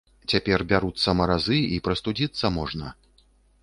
Цяпер бяруцца маразы, і прастудзіцца можна.